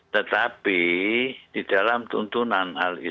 tetapi di dalam tuntunan hal itu